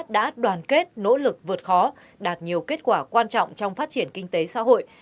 đã đoàn kết nỗ lực vượt khó đạt nhiều kết quả quan trọng trong phát triển kinh tế xã hội